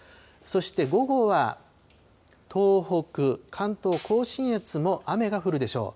そして午後は東北、関東、甲信越も雨が降るでしょう。